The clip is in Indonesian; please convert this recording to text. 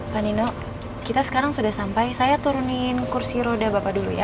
pak nino kita sekarang sudah sampai saya turunin kursi roda bapak dulu ya